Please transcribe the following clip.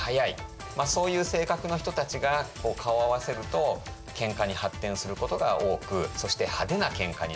そういう性格の人たちが顔を合わせると喧嘩に発展することが多くそして派手な喧嘩になったと。